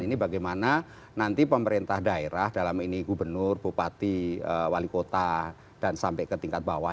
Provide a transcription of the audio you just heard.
ini bagaimana nanti pemerintah daerah dalam ini gubernur bupati wali kota dan sampai ke tingkat bawah